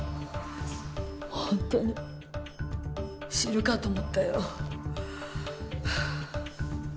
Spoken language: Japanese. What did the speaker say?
本当に死ぬかと思ったよ。